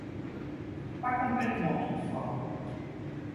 Pas complètement toutefois.